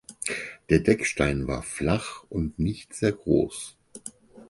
Der Deckstein war flach und nicht sehr groß.